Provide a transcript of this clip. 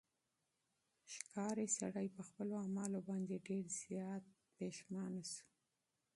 ښکاري سړی په خپلو اعمالو باندې ډېر زیات شرمنده شو.